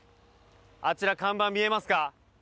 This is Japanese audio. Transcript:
あちら、看板見えますか？